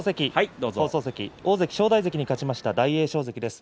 大関正代関に勝ちました大栄翔関です。